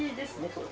これ。